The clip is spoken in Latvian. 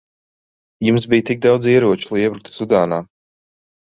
Jums bija tik daudz ieroču, lai iebruktu Sudānā.